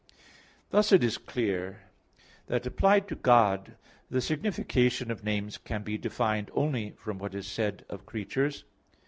Thus it is clear that applied to God the signification of names can be defined only from what is said of creatures.